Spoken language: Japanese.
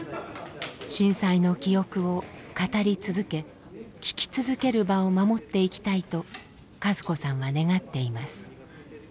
震災の記憶を語り続けきき続ける場を守っていきたいと和子さんは願っています。